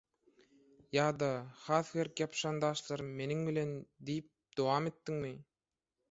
Ýa-da “has berk ýapyşan daşlarym meniň bilen” diýip dowam etdiňmi?